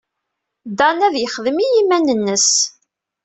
Dan ad yexdem i yiman-nnes.